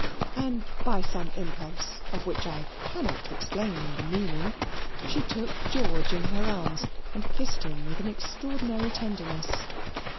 And by some impulse of which I cannot explain the meaning, she took George in her arms and kissed him with an extraordinary tenderness.